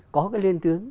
có cái liên tướng